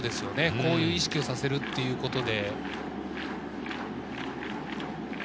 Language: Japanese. こういう意識をさせることで。